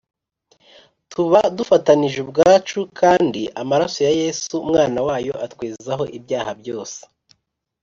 tuba dufatanije ubwacu, kandi amaraso ya Yesu Umwana wayo atwezaho ibyaha byose.